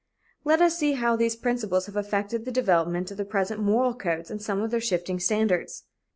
Let us see how these principles have affected the development of the present moral codes and some of their shifting standards.